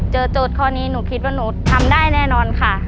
เจอโดยตรงนี้หนูคิดหนูทำได้แน่นอนค่ะ